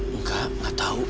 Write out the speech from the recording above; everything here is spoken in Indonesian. enggak gak tau